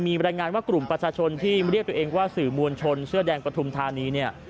มีบรรยายงานว่ากลุ่มประชาชนที่เรียกตัวเองว่าสื่อมวลชนเสื้อแดงปฐุมธานีเนี่ย